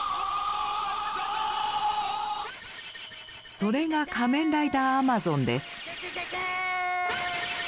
それが仮面ライダーアマゾンです。